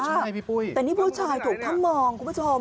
ใช่พี่ปุ้ยแต่นี่ผู้ชายถูกทั้งมองคุณผู้ชม